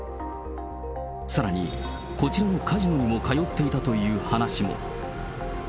さらに、こちらのカジノにも通っていたという話も。